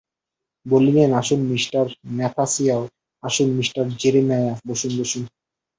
বলিলেন, আসুন mister Nathaniel, আসুন মিস্টার জেরেমায়া, বসুন বসুন!